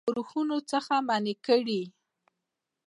له ښورښونو څخه منع کړي.